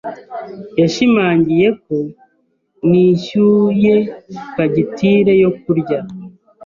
Yashimangiye ko nishyuye fagitire yo kurya.